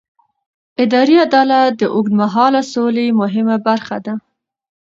اداري عدالت د اوږدمهاله سولې مهمه برخه ده